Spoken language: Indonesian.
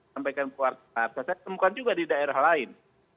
saya temukan juga di daerah lain